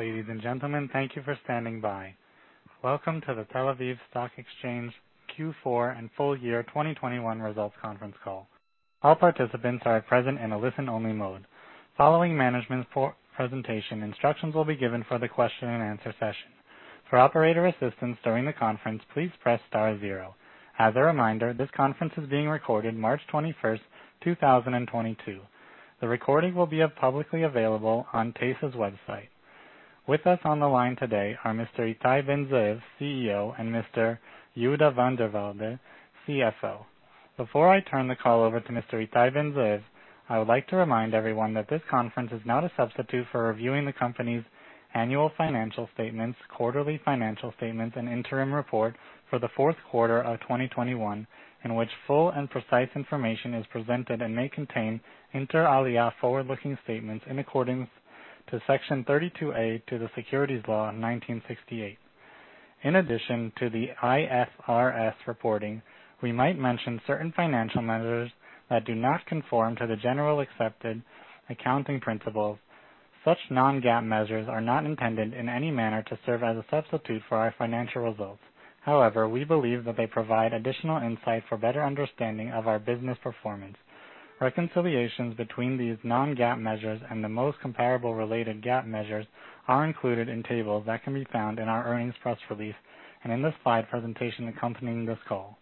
Ladies and gentlemen, thank you for standing by. Welcome to the Tel-Aviv Stock Exchange Q4 and full year 2021 results conference call. All participants are present in a listen-only mode. Following management's pre-presentation, instructions will be given for the question and answer session. For operator assistance during the conference, please press star zero. As a reminder, this conference is being recorded March 21, 2022. The recording will be publicly available on TASE's website. With us on the line today are Mr. Ittai Ben-Zeev, CEO, and Mr. Yehuda van der Walde, CFO. Before I turn the call over to Mr. Ittai Ben-Zeev, I would like to remind everyone that this conference is not a substitute for reviewing the company's annual financial statements, quarterly financial statements, and interim report for the fourth quarter of 2021, in which full and precise information is presented and may contain inter alia forward-looking statements in accordance with Section 32A of the Securities Law, 1968. In addition to the IFRS reporting, we might mention certain financial measures that do not conform to the generally accepted accounting principles. Such non-GAAP measures are not intended in any manner to serve as a substitute for our financial results. However, we believe that they provide additional insight for better understanding of our business performance. Reconciliations between these non-GAAP measures and the most comparable related GAAP measures are included in tables that can be found in our earnings press release and in the slide presentation accompanying this call.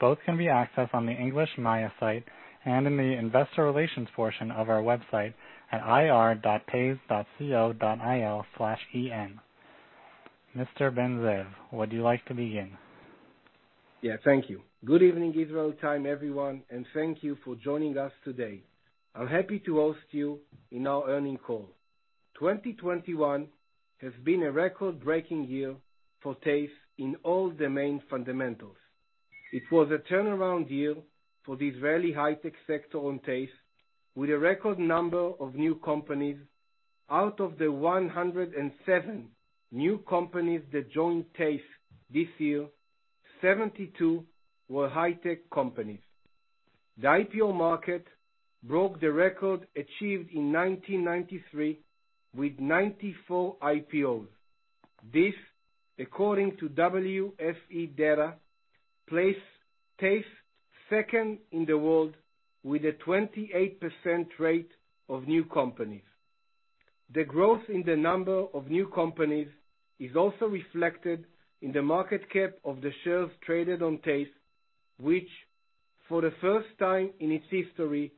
Both can be accessed on the English MAYA site and in the investor relations portion of our website at ir.tase.co.il/en. Mr. Ben-Zeev, would you like to begin? Yeah, thank you. Good evening, Israel time, everyone, and thank you for joining us today. I'm happy to host you in our earnings call. 2021 has been a record-breaking year for TASE in all the main fundamentals. It was a turnaround year for the Israeli high-tech sector on TASE with a record number of new companies. Out of the 107 new companies that joined TASE this year, 72 were high-tech companies. The IPO market broke the record achieved in 1993 with 94 IPOs. This, according to WFE data, places TASE second in the world with a 28% rate of new companies. The growth in the number of new companies is also reflected in the market cap of the shares traded on TASE, which for the first time in its history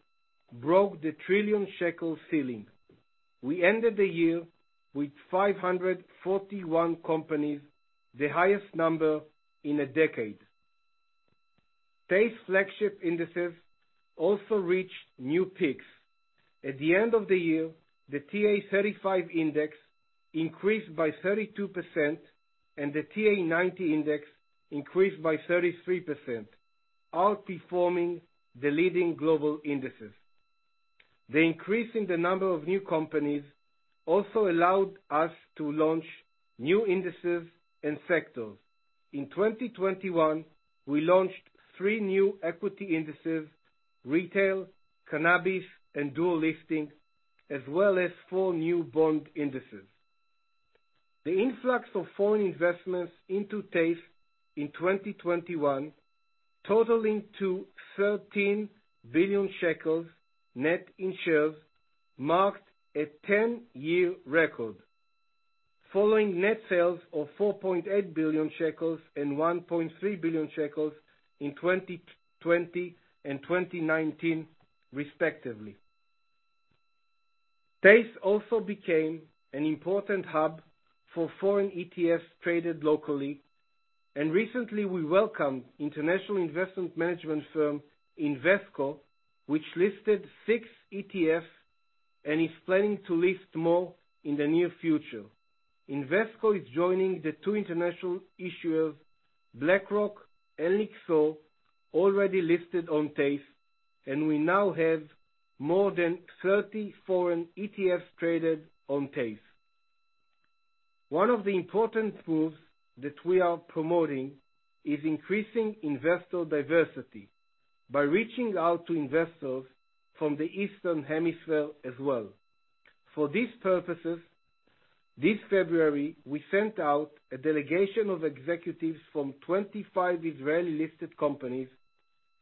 broke the 1 trillion shekel ceiling. We ended the year with 541 companies, the highest number in a decade. TASE flagship indices also reached new peaks. At the end of the year, the TA-35 index increased by 32%, and the TA-90 index increased by 33%, outperforming the leading global indices. The increase in the number of new companies also allowed us to launch new indices and sectors. In 2021, we launched three new equity indices: retail, cannabis, and dual listing, as well as four new bond indices. The influx of foreign investments into TASE in 2021 totaling to 13 billion shekels net in shares marked a 10-year record following net sales of 4.8 billion shekels and 1.3 billion shekels in 2020 and 2019 respectively. TASE also became an important hub for foreign ETFs traded locally, and recently we welcomed international investment management firm Invesco, which listed 6 ETFs and is planning to list more in the near future. Invesco is joining the 2 international issuers, BlackRock and Lyxor, already listed on TASE, and we now have more than 30 foreign ETFs traded on TASE. One of the important moves that we are promoting is increasing investor diversity by reaching out to investors from the Eastern Hemisphere as well. For these purposes, this February, we sent out a delegation of executives from 25 Israeli-listed companies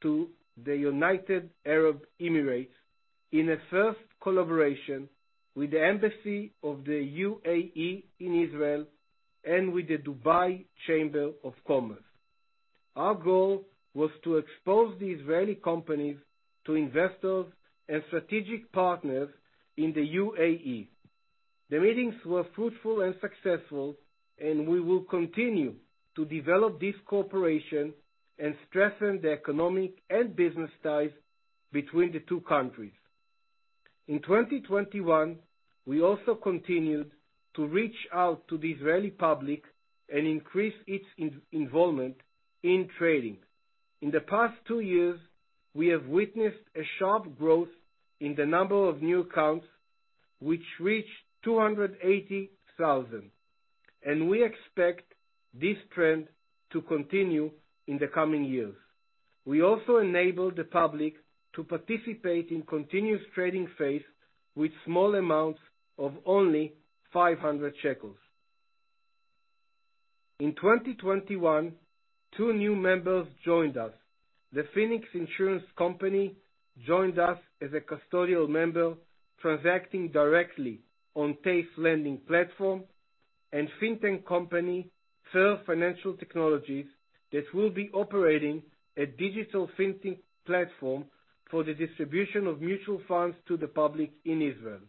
to the United Arab Emirates in a first collaboration with the Embassy of the UAE in Israel and with the Dubai Chamber of Commerce. Our goal was to expose the Israeli companies to investors and strategic partners in the UAE. The meetings were fruitful and successful, and we will continue to develop this cooperation and strengthen the economic and business ties between the two countries. In 2021, we also continued to reach out to the Israeli public and increase its involvement in trading. In the past two years, we have witnessed a sharp growth in the number of new accounts, which reached 280,000. We expect this trend to continue in the coming years. We also enable the public to participate in continuous trading phase with small amounts of only 500 shekels. In 2021, two new members joined us. The Phoenix Insurance Company joined us as a custodial member, transacting directly on TASE lending platform, and fintech company, Fair Financial Technologies, that will be operating a digital fintech platform for the distribution of mutual funds to the public in Israel.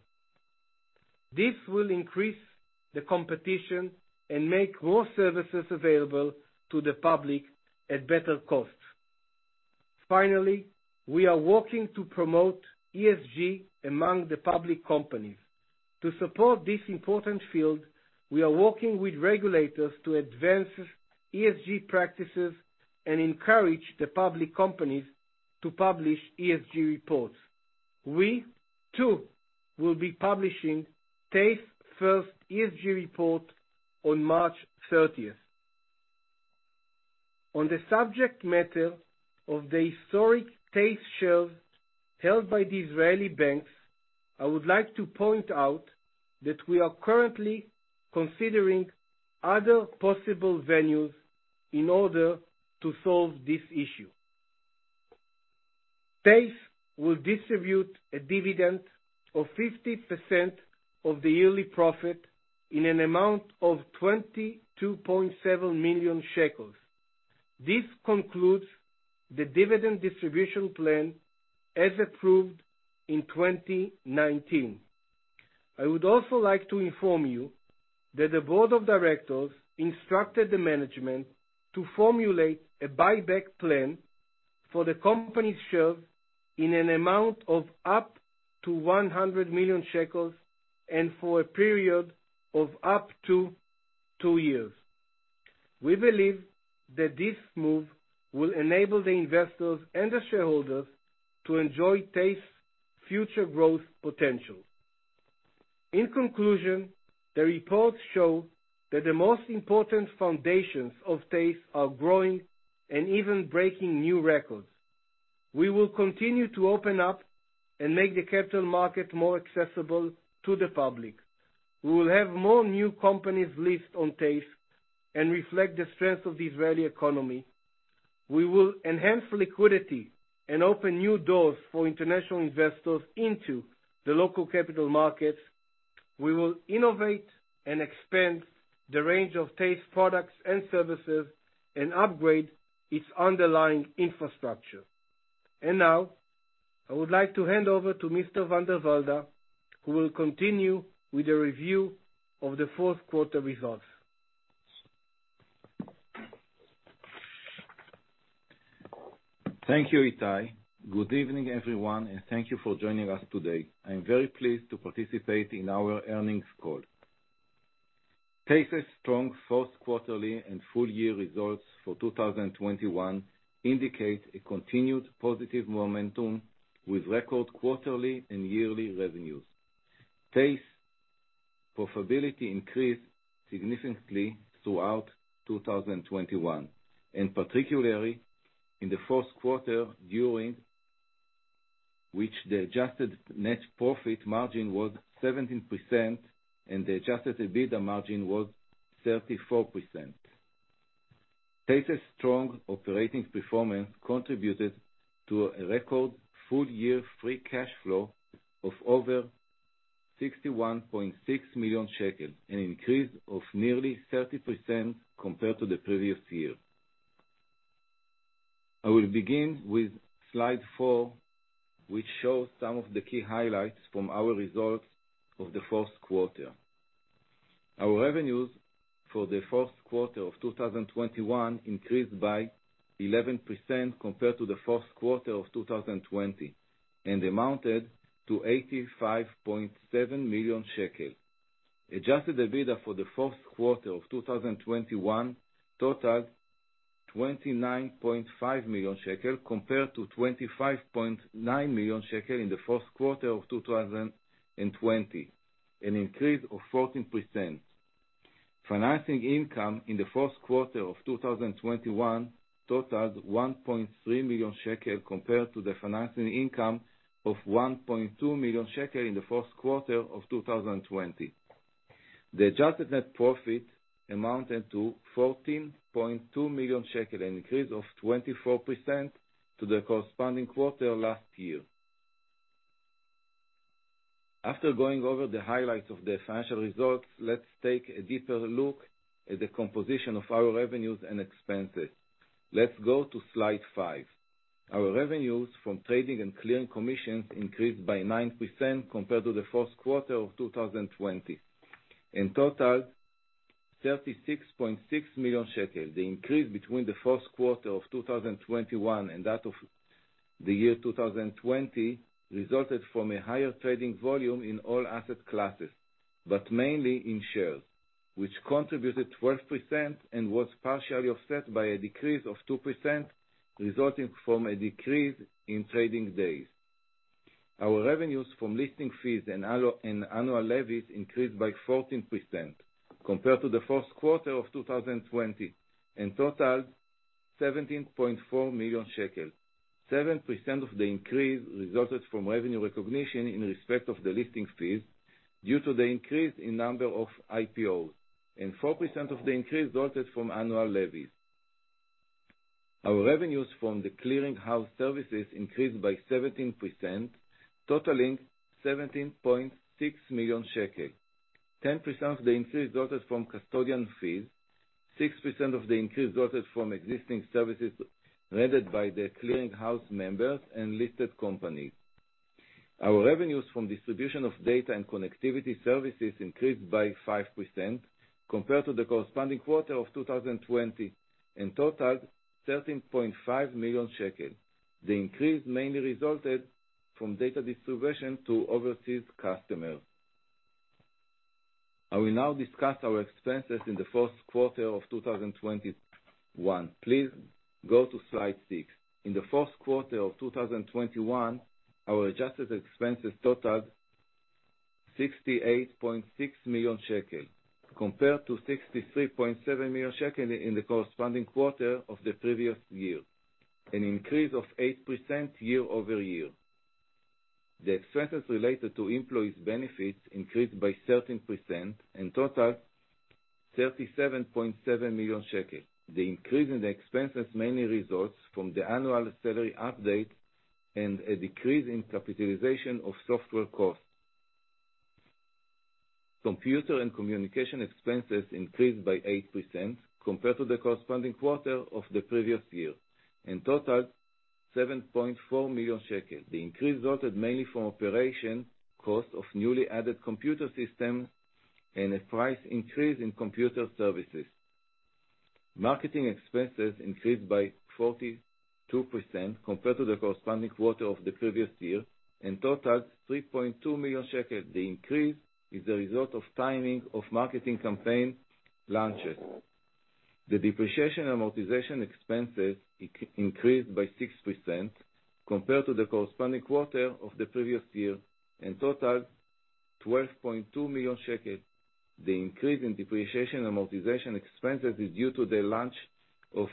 This will increase the competition and make more services available to the public at better costs. Finally, we are working to promote ESG among the public companies. To support this important field, we are working with regulators to advance ESG practices and encourage the public companies to publish ESG reports. We, too, will be publishing TASE's first ESG report on March thirtieth. On the subject matter of the historic TASE shares held by the Israeli banks, I would like to point out that we are currently considering other possible venues in order to solve this issue. TASE will distribute a dividend of 50% of the yearly profit in an amount of 22.7 million shekels. This concludes the dividend distribution plan as approved in 2019. I would also like to inform you that the board of directors instructed the management to formulate a buyback plan for the company's shares in an amount of up to 100 million shekels, and for a period of up to 2 years. We believe that this move will enable the investors and the shareholders to enjoy TASE future growth potential. In conclusion, the reports show that the most important foundations of TASE are growing and even breaking new records. We will continue to open up and make the capital market more accessible to the public. We will have more new companies listed on TASE and reflect the strength of the Israeli economy. We will enhance liquidity and open new doors for international investors into the local capital markets. We will innovate and expand the range of TASE products and services and upgrade its underlying infrastructure. Now, I would like to hand over to Mr. van der Walde, who will continue with the review of the fourth quarter results. Thank you, Ittai. Good evening, everyone, and thank you for joining us today. I am very pleased to participate in our earnings call. TASE's strong fourth quarter and full year results for 2021 indicate a continued positive momentum with record quarterly and yearly revenues. TASE profitability increased significantly throughout 2021, and particularly in the fourth quarter during which the adjusted net profit margin was 17% and the adjusted EBITDA margin was 34%. TASE's strong operating performance contributed to a record full year free cash flow of over 61.6 million shekel, an increase of nearly 30% compared to the previous year. I will begin with slide 4, which shows some of the key highlights from our results of the fourth quarter. Our revenues for the fourth quarter of 2021 increased by 11% compared to the fourth quarter of 2020, and amounted to 85.7 million shekel. Adjusted EBITDA for the fourth quarter of 2021 totals 29.5 million shekel compared to 25.9 million shekel in the fourth quarter of 2020, an increase of 14%. Financing income in the fourth quarter of 2021 totals 1.3 million shekel compared to the financing income of 1.2 million shekel in the fourth quarter of 2020. The adjusted net profit amounted to 14.2 million shekel, an increase of 24% to the corresponding quarter last year. After going over the highlights of the financial results, let's take a deeper look at the composition of our revenues and expenses. Let's go to slide five. Our revenues from trading and clearing commissions increased by 9% compared to the first quarter of 2020, and totaled 36.6 million shekels. The increase between the first quarter of 2021 and that of the year 2020 resulted from a higher trading volume in all asset classes. Mainly in shares, which contributed 12% and was partially offset by a decrease of 2%, resulting from a decrease in trading days. Our revenues from listing fees and annual levies increased by 14% compared to the first quarter of 2020, and totaled 17.4 million shekels. 7% of the increase resulted from revenue recognition in respect of the listing fees due to the increase in number of IPOs, and 4% of the increase resulted from annual levies. Our revenues from the clearing house services increased by 17%, totaling 17.6 million shekels. 10% of the increase resulted from custodian fees. 6% of the increase resulted from existing services rendered by the clearing house members and listed companies. Our revenues from distribution of data and connectivity services increased by 5% compared to the corresponding quarter of 2020, and totaled 13.5 million shekels. The increase mainly resulted from data distribution to overseas customers. I will now discuss our expenses in the first quarter of 2021. Please go to slide 6. In the first quarter of 2021, our adjusted expenses totaled 68.6 million shekel compared to 63.7 million shekel in the corresponding quarter of the previous year, an increase of 8% year-over-year. The expenses related to employee benefits increased by 13% and totaled 37.7 million shekel. The increase in the expenses mainly results from the annual salary update and a decrease in capitalization of software costs. Computer and communication expenses increased by 8% compared to the corresponding quarter of the previous year, and totaled 7.4 million shekels. The increase resulted mainly from operating costs of newly added computer system and a price increase in computer services. Marketing expenses increased by 42% compared to the corresponding quarter of the previous year, and totaled 3.2 million shekels. The increase is a result of timing of marketing campaign launches. The depreciation amortization expenses increased by 6% compared to the corresponding quarter of the previous year, and totaled 12.2 million shekels. The increase in depreciation amortization expenses is due to the launch of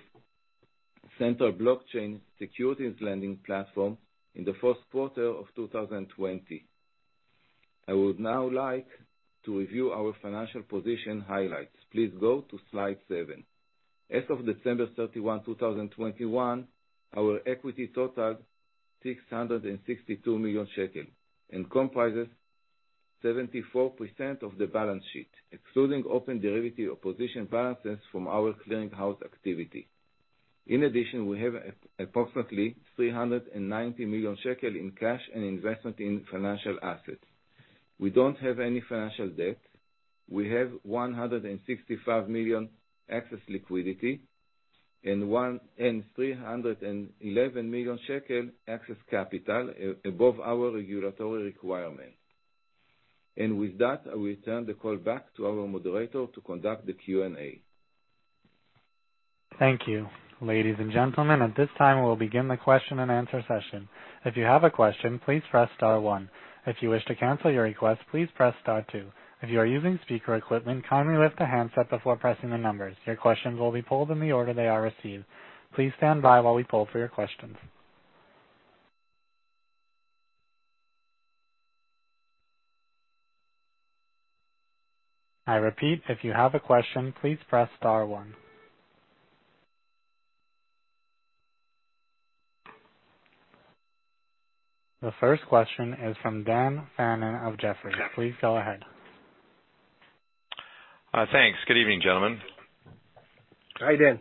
central blockchain securities lending platform in the first quarter of 2020. I would now like to review our financial position highlights. Please go to slide 7. As of December 31, 2021, our equity totaled 662 million shekels, and comprises 74% of the balance sheet, excluding open derivative or position balances from our clearing house activity. In addition, we have approximately 390 million shekel in cash and investment in financial assets. We don't have any financial debt. We have 165 million excess liquidity and 113 million shekel excess capital above our regulatory requirement. With that, I will turn the call back to our moderator to conduct the Q&A. Thank you. Ladies and gentlemen, at this time, we'll begin the question and answer session. If you have a question, please press star one. If you wish to cancel your request, please press star two. If you are using speaker equipment, kindly lift the handset before pressing the numbers. Your questions will be pulled in the order they are received. Please stand by while we pull for your questions. I repeat, if you have a question, please press star one. The first question is from Daniel Fannon of Jefferies. Please go ahead. Thanks. Good evening, gentlemen. Hi, Dan.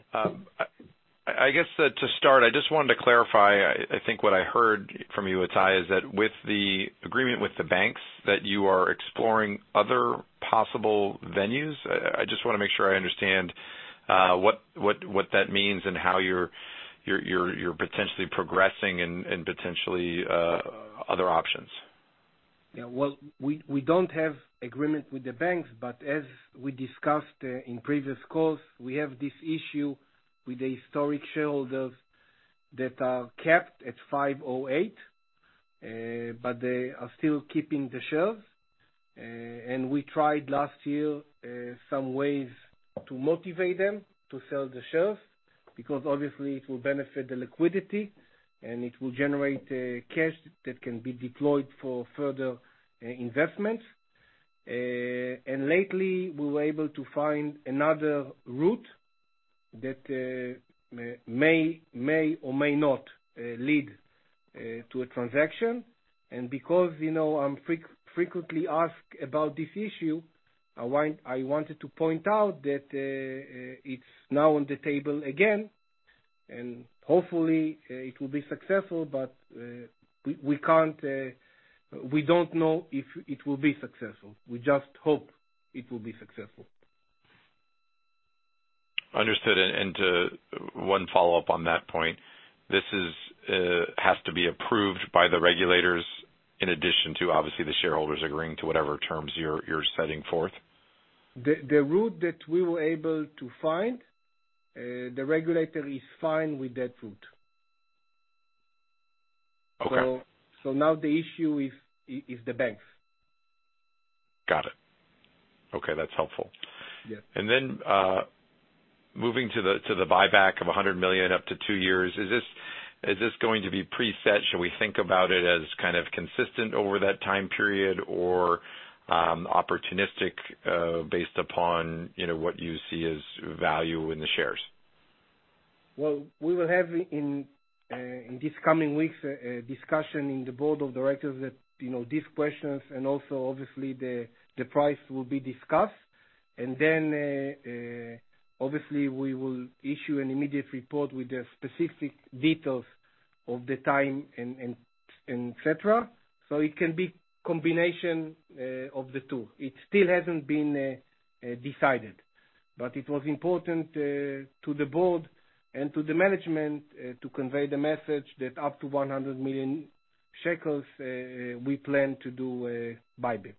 I guess to start, I just wanted to clarify, I think what I heard from you, Ittai, is that with the agreement with the banks, that you are exploring other possible venues. I just wanna make sure I understand what that means and how you're potentially progressing and potentially other options. Yeah, well, we don't have agreement with the banks, but as we discussed in previous calls, we have this issue with the historic shareholders that are capped at 508, but they are still keeping the shares. We tried last year some ways to motivate them to sell the shares because obviously it will benefit the liquidity, and it will generate cash that can be deployed for further investments. Lately, we were able to find another route that may or may not lead to a transaction. Because, you know, I'm frequently asked about this issue, I wanted to point out that it's now on the table again, and hopefully it will be successful. We can't. We don't know if it will be successful. We just hope it will be successful. Understood. One follow-up on that point. This has to be approved by the regulators in addition to, obviously, the shareholders agreeing to whatever terms you're setting forth? The route that we were able to find, the regulator is fine with that route. Okay. Now the issue is the banks. Got it. Okay, that's helpful. Yeah. Moving to the buyback of 100 million up to 2 years, is this going to be preset? Should we think about it as kind of consistent over that time period or opportunistic, based upon, you know, what you see as value in the shares? Well, we will have in these coming weeks a discussion in the board of directors that, you know, these questions and also obviously the price will be discussed. Then, obviously we will issue an immediate report with the specific details of the time and et cetera. It can be combination of the two. It still hasn't been decided, but it was important to the board and to the management to convey the message that up to 100 million shekels, we plan to do a buyback.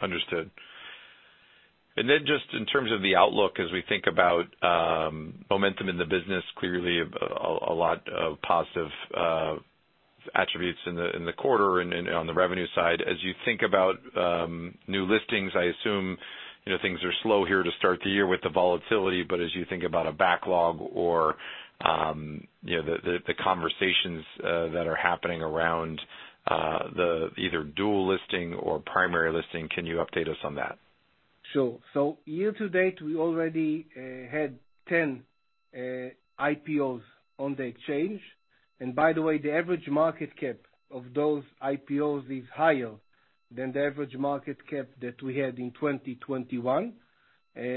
Understood. Just in terms of the outlook as we think about momentum in the business, clearly a lot of positive attributes in the quarter and on the revenue side. As you think about new listings, I assume you know things are slow here to start the year with the volatility, but as you think about a backlog or you know the conversations that are happening around the either dual listing or primary listing, can you update us on that? Sure. Year to date, we already had 10 IPOs on the exchange. By the way, the average market cap of those IPOs is higher than the average market cap that we had in 2021.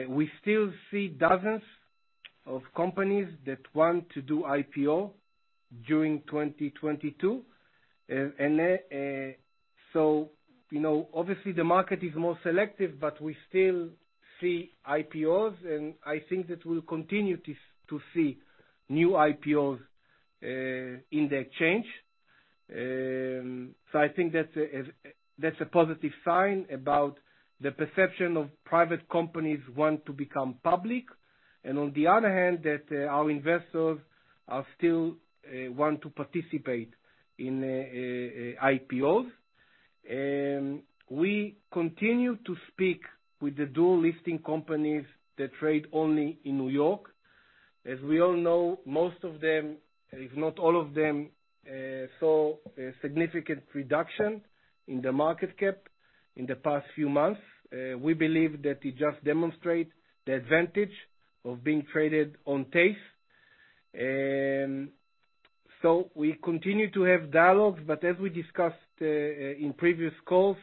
We still see dozens of companies that want to do IPO during 2022. You know, obviously the market is more selective, but we still see IPOs, and I think that we'll continue to see new IPOs in the exchange. I think that's a positive sign about the perception of private companies want to become public, and on the other hand, our investors are still want to participate in IPOs. We continue to speak with the dual listing companies that trade only in New York. As we all know, most of them, if not all of them, saw a significant reduction in the market cap in the past few months. We believe that it just demonstrate the advantage of being traded on TASE. We continue to have dialogues, but as we discussed in previous calls,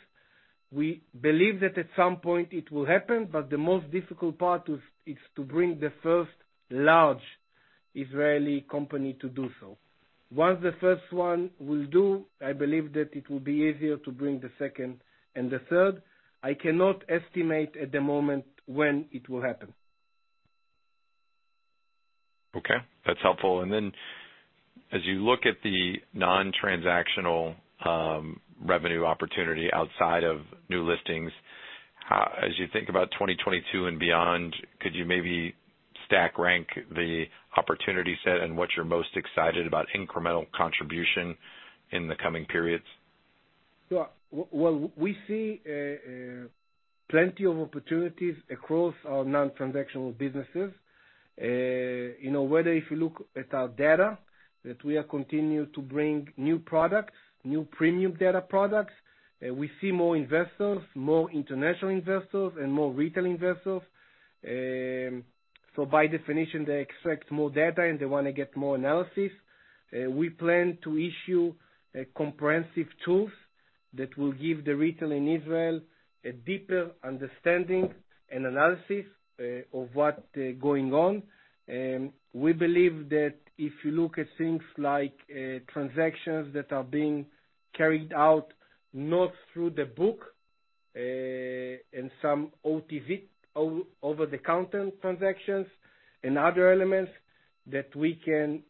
we believe that at some point it will happen, but the most difficult part is to bring the first large Israeli company to do so. Once the first one will do, I believe that it will be easier to bring the second and the third. I cannot estimate at the moment when it will happen. Okay, that's helpful. As you look at the non-transactional revenue opportunity outside of new listings, as you think about 2022 and beyond, could you maybe stack rank the opportunity set and what you're most excited about incremental contribution in the coming periods? Yeah. Well, we see plenty of opportunities across our non-transactional businesses. You know, whether if you look at our data, that we are continue to bring new products, new premium data products. We see more investors, more international investors and more retail investors. By definition, they expect more data, and they wanna get more analysis. We plan to issue a comprehensive tools that will give the retail in Israel a deeper understanding and analysis of what going on. We believe that if you look at things like transactions that are being carried out, not through the book, and some OTC, over-the-counter transactions and other elements that we can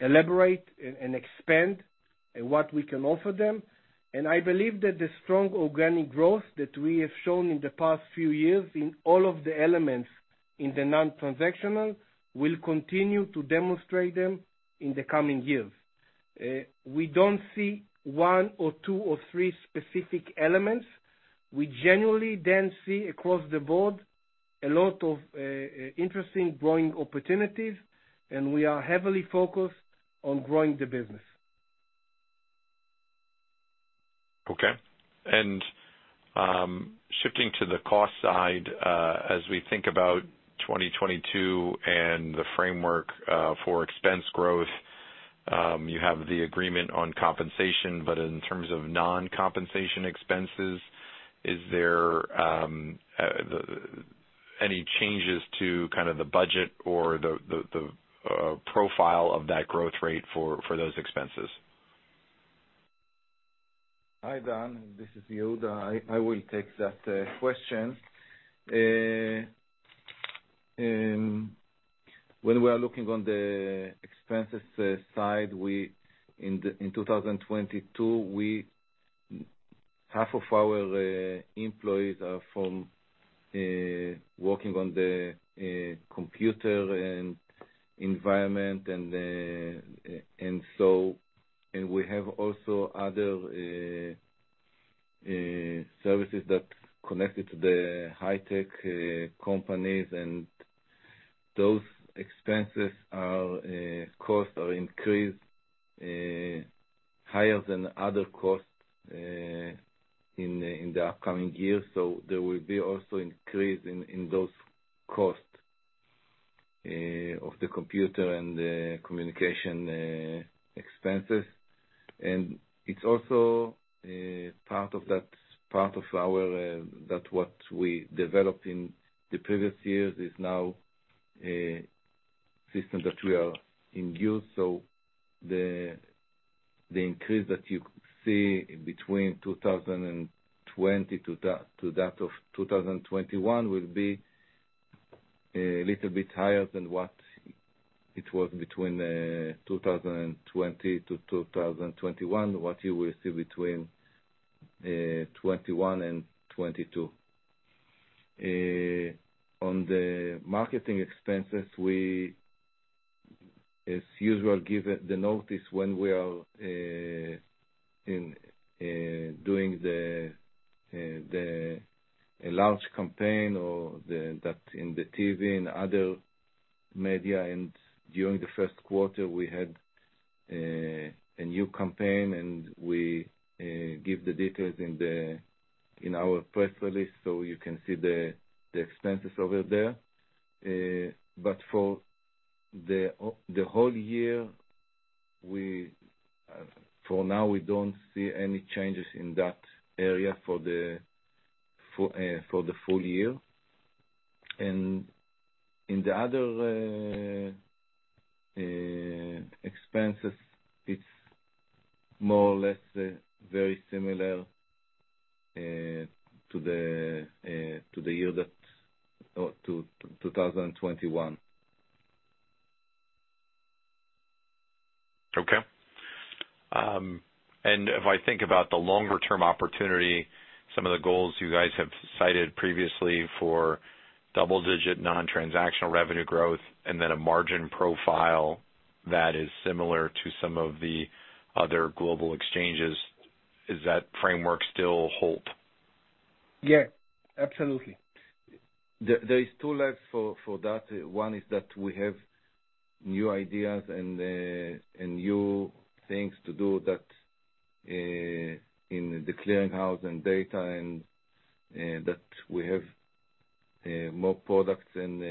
elaborate and expand what we can offer them. I believe that the strong organic growth that we have shown in the past few years in all of the elements in the non-transactional will continue to demonstrate them in the coming years. We don't see one or two or three specific elements. We generally then see across the board a lot of interesting growing opportunities, and we are heavily focused on growing the business. Okay. Shifting to the cost side, as we think about 2022 and the framework for expense growth, you have the agreement on compensation, but in terms of non-compensation expenses, is there any changes to kind of the budget or the profile of that growth rate for those expenses? Hi, Dan. This is Yehuda. I will take that question. When we are looking on the expenses side, in 2022 half of our employees are working on the computing environment. We have also other services that's connected to the high-tech companies. Those expenses or costs are increased higher than other costs in the upcoming years. There will be also increase in those costs of the computer and the communication expenses. It's also part of what we developed in the previous years, which is now a system that we are using. The increase that you see between 2020 and 2021 will be a little bit higher than what you will see between 2021 and 2022. On the marketing expenses, as usual, we give the notice when we are doing a large campaign or that's in the TV and other media. During the first quarter, we had a new campaign, and we give the details in our press release, so you can see the expenses over there. For the whole year, for now, we don't see any changes in that area for the full year. In the other expenses, it's more or less very similar to 2021. Okay. If I think about the longer-term opportunity, some of the goals you guys have cited previously for double digit non-transactional revenue growth, and then a margin profile that is similar to some of the other global exchanges, is that framework still hold? Yeah, absolutely. There is two legs for that. One is that we have new ideas and new things to do that in the clearing house and data, and that we have more products and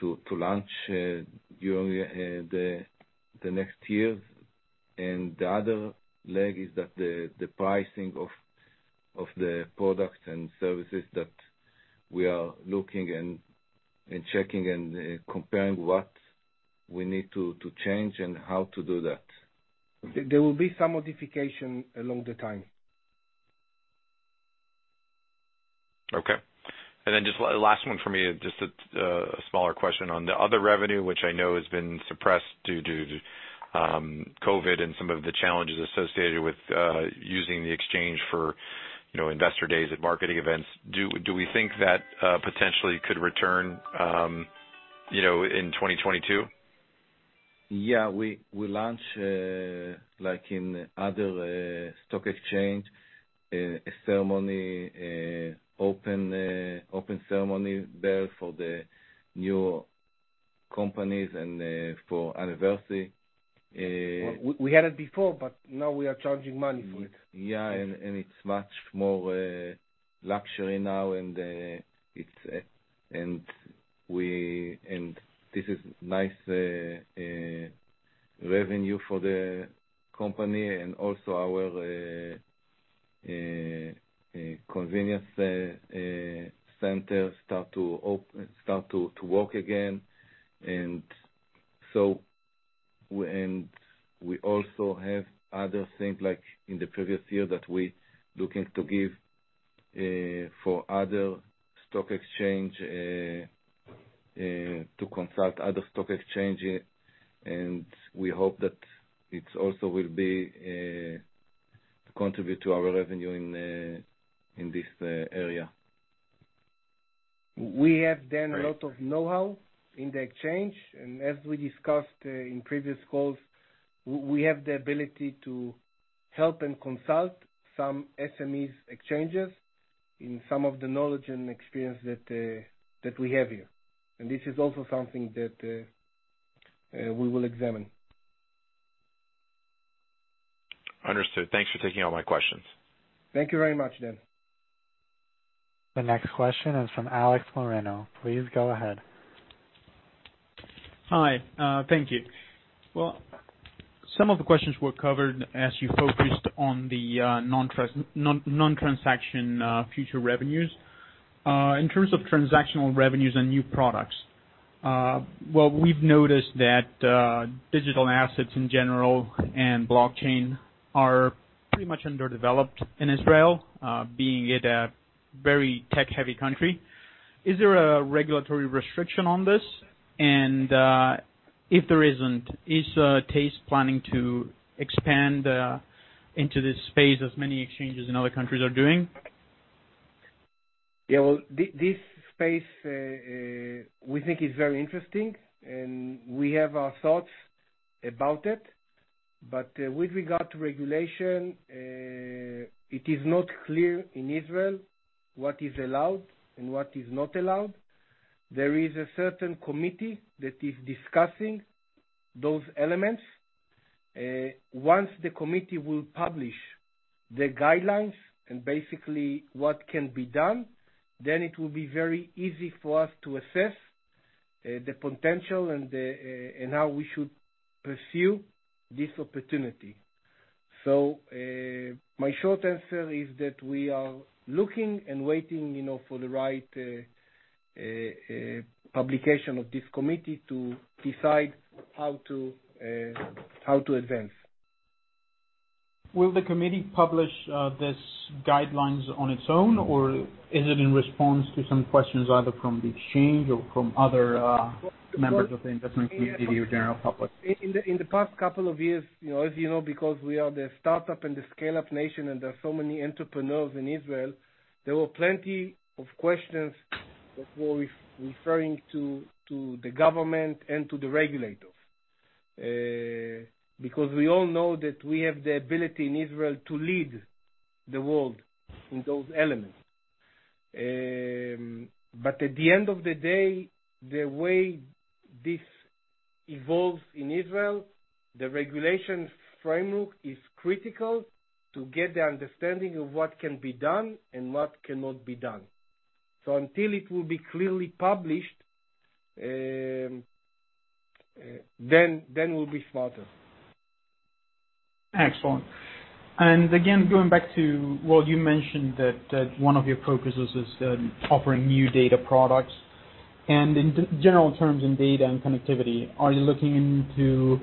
to launch during the next years. The other leg is that the pricing of the products and services that we are looking and checking and comparing what we need to change and how to do that. There will be some modification along the time. Okay. Just last one for me, just a smaller question on the other revenue, which I know has been suppressed due to COVID and some of the challenges associated with using the exchange for, you know, investor days at marketing events. Do we think that potentially could return, you know, in 2022? Yeah. We launch like in other stock exchange a ceremony open ceremony there for the new companies and for anniversary. We had it before, but now we are charging money for it. Yeah. It's much more lucrative now, and this is nice revenue for the company and also our convention center start to work again. We also have other things like in the previous year that we're looking to give to other stock exchange to consult other stock exchange. We hope that it also will contribute to our revenue in this area. We have done a lot of know-how in the exchange. As we discussed in previous calls, we have the ability to help and consult some SMEs exchanges in some of the knowledge and experience that we have here. This is also something that we will examine. Understood. Thanks for taking all my questions. Thank you very much, Dan. The next question is from Alex Moreno. Please go ahead. Hi. Thank you. Well, some of the questions were covered as you focused on the non-transactional future revenues. In terms of transactional revenues and new products, well, we've noticed that digital assets in general and blockchain are pretty much underdeveloped in Israel, being it a very tech-heavy country. Is there a regulatory restriction on this? If there isn't, is TASE planning to expand into this space as many exchanges in other countries are doing? Yeah, well, this space, we think is very interesting, and we have our thoughts about it. With regard to regulation, it is not clear in Israel what is allowed and what is not allowed. There is a certain committee that is discussing those elements. Once the committee will publish the guidelines and basically what can be done, then it will be very easy for us to assess the potential and how we should pursue this opportunity. My short answer is that we are looking and waiting, you know, for the right publication of this committee to decide how to advance. Will the committee publish these guidelines on its own, or is it in response to some questions either from the exchange or from other members of the investment community or general public? In the past couple of years, you know, as you know, because we are the startup and the scale-up nation, and there are so many entrepreneurs in Israel, there were plenty of questions that were referring to the government and to the regulators. Because we all know that we have the ability in Israel to lead the world in those elements. But at the end of the day, the way this evolves in Israel, the regulatory framework is critical to get the understanding of what can be done and what cannot be done. Until it will be clearly published, then we'll be smarter. Excellent. Again, going back to what you mentioned, that one of your focuses is, offering new data products. In general terms in data and connectivity, are you looking into,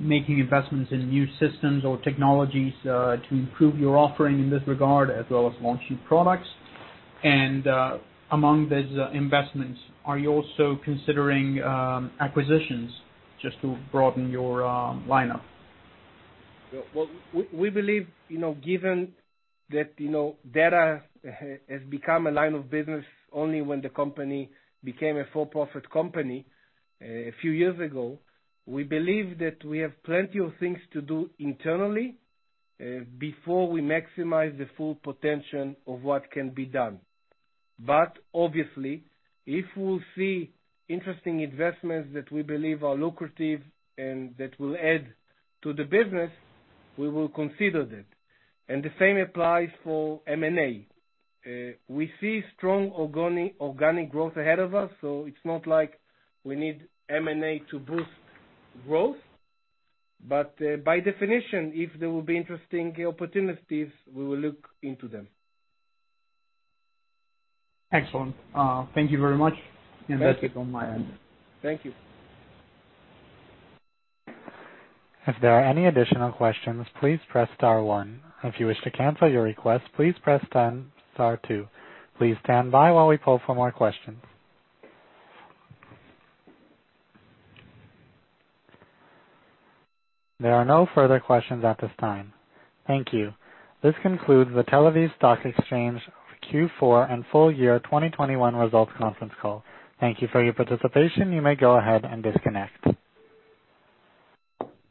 making investments in new systems or technologies, to improve your offering in this regard, as well as launching products? Among these investments, are you also considering, acquisitions just to broaden your, lineup? Well, we believe, you know, given that, you know, data has become a line of business only when the company became a for-profit company a few years ago, we believe that we have plenty of things to do internally before we maximize the full potential of what can be done. Obviously, if we'll see interesting investments that we believe are lucrative and that will add to the business, we will consider that. The same applies for M&A. We see strong organic growth ahead of us, so it's not like we need M&A to boost growth. By definition, if there will be interesting opportunities, we will look into them. Excellent. Thank you very much. Thank you. That's it on my end. Thank you. There are no further questions at this time. Thank you. This concludes the Tel-Aviv Stock Exchange Q4 and full year 2021 results conference call. Thank you for your participation. You may go ahead and disconnect.